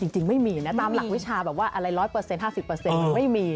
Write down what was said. จริงไม่มีนะตามหลักวิชาแบบว่าอะไร๑๐๐๕๐มันไม่มี